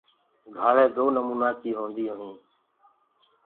گھآݪینٚ دو نمونآ ڪي هونديو هينٚ۔